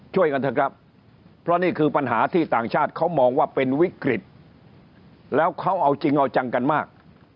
ช่วยกันเถอะครับเพราะนี่คือปัญหาที่ต่างชาติเขามองว่าเป็นวิกฤตแล้วเขาเอาจริงเอาจังกันมาก